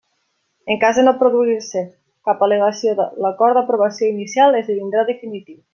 En cas de no produir-se cap al·legació l'acord d'aprovació inicial esdevindrà definitiu.